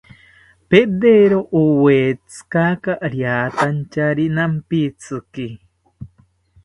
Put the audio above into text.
Pedero iwetzika riatantyari nampitziki